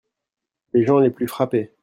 Les gens les plus frappés.